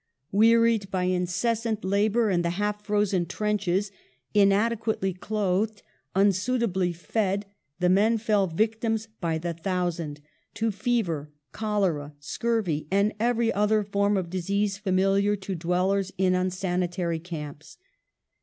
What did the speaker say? Wearied by incessant labour in the half frozen trenches, inadequately clothed, unsuitably fed, the men fell victims, by the thousand, to fever, cholera, scurvy, and every other form of disease familiar to dwellers in insanitary camps.